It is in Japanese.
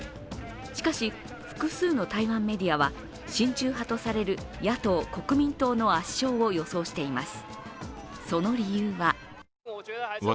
しかし複数の台湾メディアは親中派とされる野党・国民党の圧勝を予想しています。